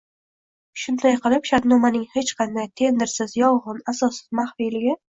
Shunday qilib, shartnomaning hech qanday tendersiz, yolg'on, asossiz maxfiyligi